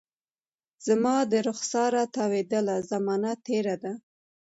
زما د رخساره تاویدله، زمانه تیره ده